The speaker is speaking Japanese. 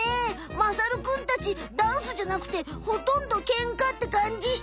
まさるくんたちダンスじゃなくてほとんどケンカってかんじ。